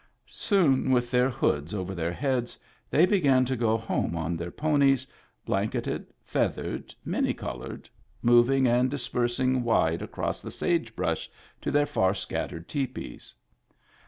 Soon with their hoods over their heads they began to go home on their ponies, blanketed, feathered, many colored, moving and dispersing wide across the sage brush to their far scattered tepees.